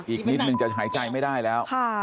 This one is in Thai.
อีกนิดนึงจะหายใจไม่ได้แล้ว